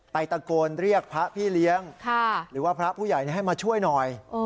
ตะโกนเรียกพระพี่เลี้ยงหรือว่าพระผู้ใหญ่ให้มาช่วยหน่อย